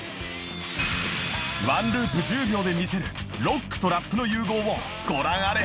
１ループ１０秒で見せるロックとラップの融合をご覧あれ！